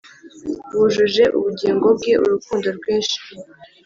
wujuje ubugingo bwe urukundo rwinshi,